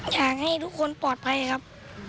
อยากให้ทุกคนปลอดภัยครับ